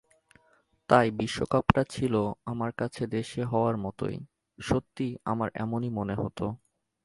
তাই বিশ্বকাপটা ছিল আমার কাছে দেশে হওয়ার মতোই—সত্যি আমার এমনই মনে হতো।